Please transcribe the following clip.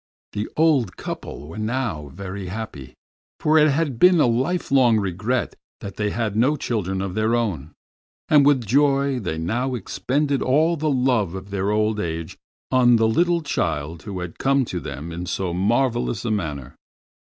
The old couple were now very happy, for it had been a lifelong regret that they had no children of their own, and with joy they now expended all the love of their old age on the little child who had come to them in so marvelous a manner.